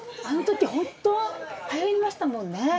あのときホント流行りましたもんね。